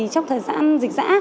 trong thời gian dịch giã